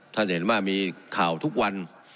ท่านจะเห็นว่ามีข่าวทุกวัน